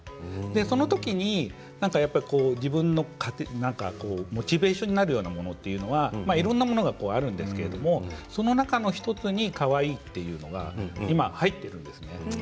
その時に自分の糧モチベーションになるようなものというのはいろいろなものがあるんですけれどその中の１つにカワイイというのが今、入っているんですね。